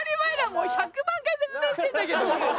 もう１００万回説明してるんだけど。